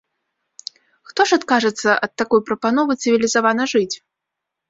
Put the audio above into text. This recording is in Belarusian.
Хто ж адкажацца ад такой прапановы цывілізавана жыць?